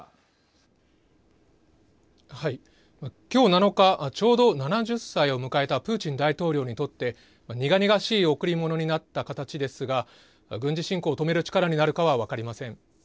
今日７日ちょうど７０歳を迎えたプーチン大統領にとって苦々しい贈り物になった形ですが軍事侵攻を止める力になるかは分かりません。